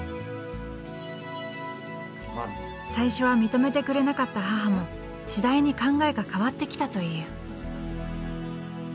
最初は認めてくれなかった母も次第に考えが変わってきたという。